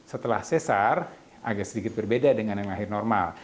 setelah sesar agak sedikit berbeda dengan yang lahir normal